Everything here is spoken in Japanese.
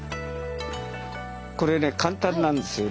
これね簡単なんですよね。